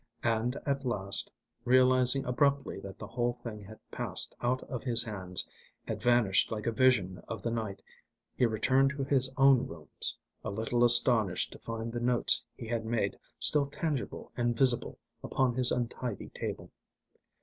And at last, realising abruptly that the whole thing had passed out of his hands, had vanished like a vision of the night, he returned to his own rooms, a little astonished to find the notes he had made still tangible and visible upon his untidy table.